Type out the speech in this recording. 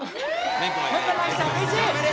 ไม่ปล่อยจับมือ